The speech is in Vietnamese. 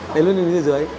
để luôn đường link ở dưới